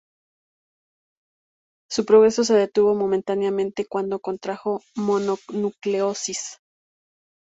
Su progreso se detuvo momentáneamente cuando contrajo mononucleosis.